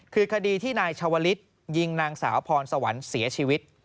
คือคดีที่นายชาวลิศยิงนางสาวพรสวรรค์เสียชีวิต